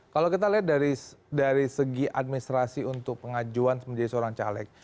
kalau kita lihat dari segi administrasi untuk pengajuan menjadi seorang caleg